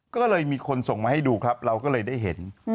ก็เลยมีคนส่งมาให้ดูครับเราก็เลยได้เห็น